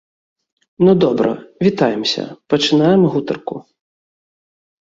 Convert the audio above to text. Ну добра, вітаемся, пачынаем гутарку.